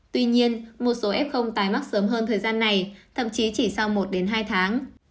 tuy nhiên một số f tài mắc sớm hơn thời gian này thậm chí chỉ sau một đến hai tháng